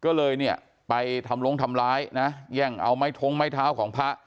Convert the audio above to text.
ก็เลยเนี่ยไปทำลงทำร้ายนะแย่งเอาไม้ท้องไม้เท้าของพระ